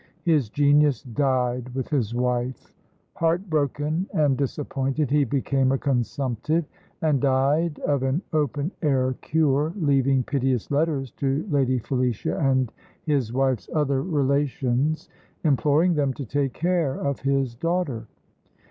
His genius died with his wife. Heart broken and disappointed, he became a consumptive, and died of an open air cure, leaving piteous letters to Lady Felicia and his wife's other relations, imploring them to take care of his daughter.